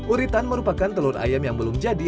uritan merupakan telur ayam yang belum jadi